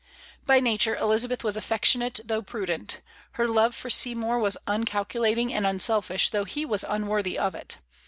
By nature, Elizabeth was affectionate, though prudent. Her love for Seymour was uncalculating and unselfish, though he was unworthy of it.